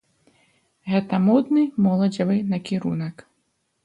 Гэта модны моладзевы накірунак.